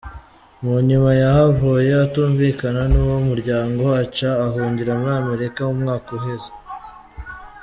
Munyuma yahavuye atumvikana n'uwo muryango aca ahungira muri Amerika mu mwaka uheze.